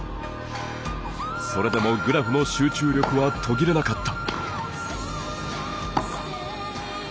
それでもグラフの集中力は途切れなかった。